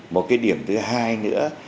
một cái điểm thứ hai nữa